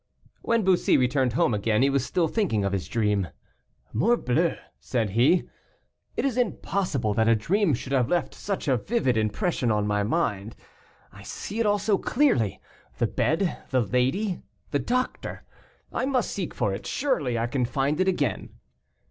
When Bussy returned home again, he was still thinking of his dream. "Morbleu!" said he, "it is impossible that a dream should have left such a vivid impression on my mind. I see it all so clearly; the bed, the lady, the doctor. I must seek for it surely I can find it again."